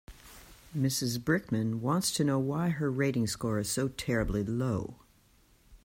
Mrs Brickman wants to know why her rating score is so terribly low.